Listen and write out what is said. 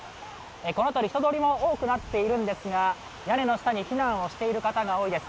この辺り人通りも多くなっているんですが、屋根の下に避難している方が多いです。